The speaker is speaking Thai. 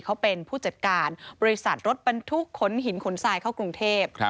เขาเป็นผู้จัดการบริษัทรถบรรทุกขนหินขนทรายเข้ากรุงเทพ